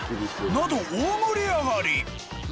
［など大盛り上がり］